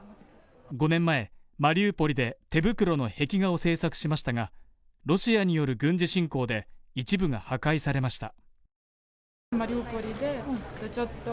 ５年前、マリウポリで手袋の壁画を制作しましたが、ロシアによる軍事侵攻で一部が破壊されました。